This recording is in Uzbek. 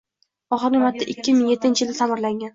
oxirgi marta ikki ming yettinchi yilda ta’mirlangan.